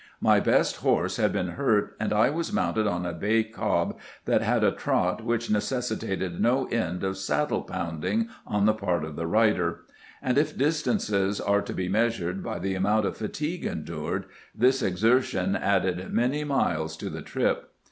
My best horse bad been hurt, and I was mounted on a bay cob that had a trot which necessitated no end of " saddle pounding " on the part of the rider ; and if distances are to be measured by the amount of fatigue endured, this exertion added many miles to the trip.